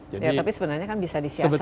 ya tapi sebenarnya kan bisa disiasati lah